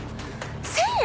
１，０００円！？